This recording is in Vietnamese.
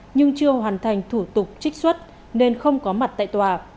nhưng chưa hoàn thành thủ tục trích xuất nên không có mặt tại tòa